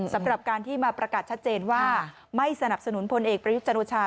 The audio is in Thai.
สำหรับการที่มาประกาศชัดเจนว่าไม่สนับสนุนพลเอกประยุทธ์จรุชา